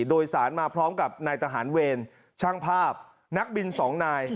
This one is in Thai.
โดยสารมาพร้อมกับนายทหารเวรช่างภาพนักบินสองนาย